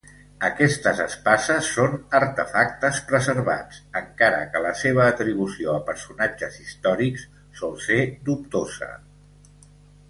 Aquestes espases són artefactes preservats, encara que la seva atribució a personatges històrics sol ser dubtosa.